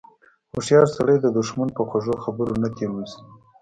هوښیار سړی د دښمن په خوږو خبرو نه تیر وځي.